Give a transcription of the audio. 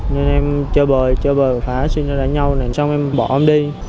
nên em chờ bờ chờ bờ phá xin ra đánh nhau xong em bỏ em đi